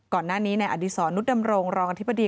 ก่อนหน้านี้ในอดีศรนุษดำรงรองอธิบดี